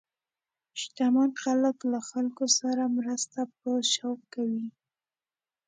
شتمن خلک له خلکو سره مرسته په شوق کوي.